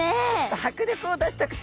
迫力を出したくて。